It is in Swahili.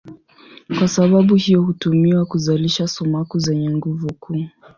Kwa sababu hiyo hutumiwa kuzalisha sumaku zenye nguvu kuu.